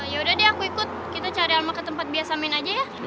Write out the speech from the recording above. yaudah deh aku ikut kita cari alma ke tempat biasa main aja ya